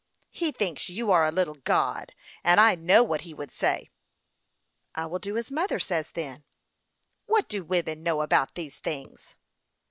" He thinks you are a little god, and I know what he would say." " I will do as mother says, then." " "What do women know about these things